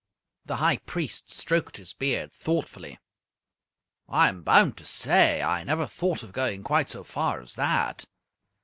The High Priest stroked his beard thoughtfully. "I am bound to say I never thought of going quite so far as that."